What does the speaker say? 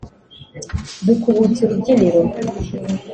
dukubutse urubyiniro ,